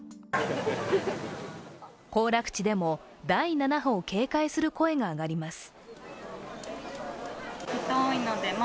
行楽地でも第７波を警戒する声が上がります。